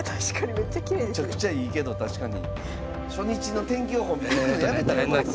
めちゃくちゃいいけど確かに。